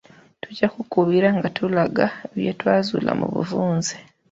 Tujja kukubira nga tulaga bye twazuula mu bufunze.